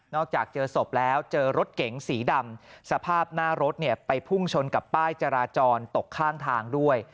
จากเจอศพแล้วเจอรถเก๋งสีดำสภาพหน้ารถเนี่ยไปพุ่งชนกับป้ายจราจรตกข้างทางด้วย